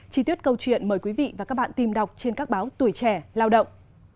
chí tiết câu chuyện mời quý vị và các bạn tìm đọc trên các báo tuổi trẻ lao động